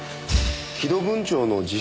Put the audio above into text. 木戸文鳥の自筆